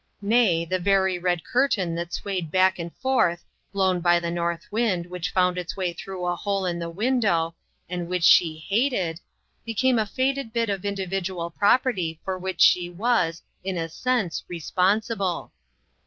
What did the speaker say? Nay, the very red curtain that swayed back and forth, blown by the north wind which found its way through a hole in the window, and which she hated, be came a faded bit of individual property for which she was, in a sense, responsible.